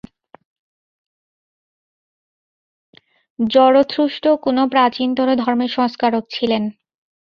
জরথুষ্ট্র কোন প্রাচীনতর ধর্মের সংস্কারক ছিলেন।